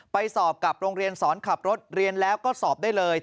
ไปสอบกับโรงเรียนสอนขับรถเรียนแล้วก็สอบได้เลย